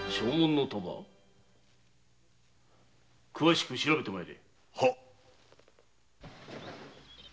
詳しく調べて参れ。